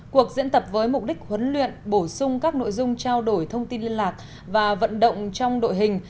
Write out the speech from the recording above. cuộc diễn tập với mục đích huấn luyện bổ sung các nội dung trao đổi thông tin liên lạc và vận động trong đội hình